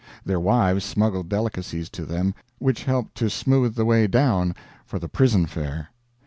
Their wives smuggled delicacies to them, which helped to smooth the way down for the prison fare.